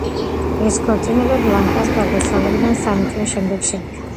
ეს ქორწინება ბლანკას გარდაცვალებიდან სამი წლის შემდეგ შედგა.